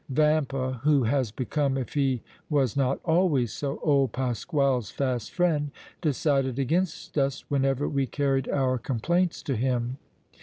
Vampa, who has become, if he was not always so, old Pasquale's fast friend, decided against us whenever we carried our complaints to him.